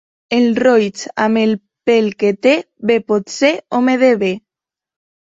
El roig, amb el pèl que té, bé pot ser home de bé.